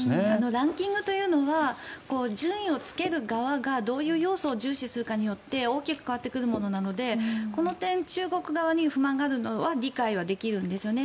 ランキングというのは順位をつける側がどういう要素を重視するかによって大きく変わってくるのでこの点、中国に不満があるのはわかるんですね。